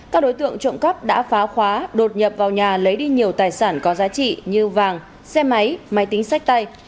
các đối tượng trộm cắp đã phá khóa đột nhập vào nhà lấy đi nhiều tài sản có giá trị như vàng xe máy máy tính sách tay